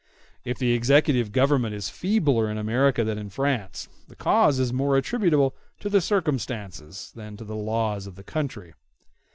If the executive government is feebler in America than in France, the cause is more attributable to the circumstances than to the laws of the country.